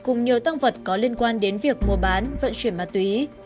cùng nhiều tăng vật có liên quan đến việc mua bán vận chuyển ma túy